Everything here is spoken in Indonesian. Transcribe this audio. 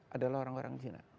adalah orang orang china